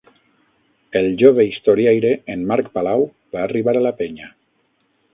El jove historiaire, en Marc Palau, va arribar a la penya.